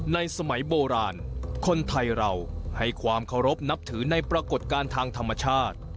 สมัยโบราณคนไทยเราให้ความเคารพนับถือในปรากฏการณ์ทางธรรมชาติ